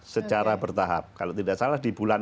secara bertahap kalau tidak salah di bulan